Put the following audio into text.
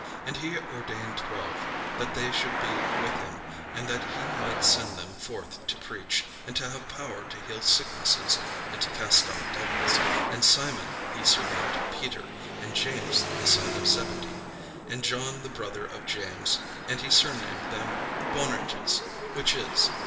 And he ordained twelve, that they should be with him, and that he might send them forth to preach, and to have power to heal sicknesses, and to cast out devils: and Simon he surnamed Peter; and James the son of Zebedee, and John the brother of James; and he surnamed them Boanerges, which is.